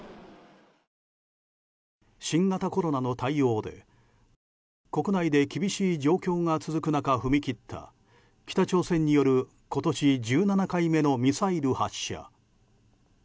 新型コロナの対応で国内で厳しい状況が続く中踏み切った北朝鮮による今年１７回目のミサイル発射。